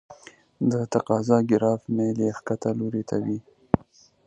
د تقاضا ګراف میل یې ښکته لوري ته وي.